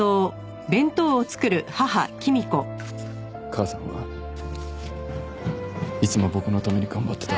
母さんはいつも僕のために頑張ってた。